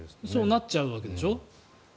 なっちゃうわけでしょ。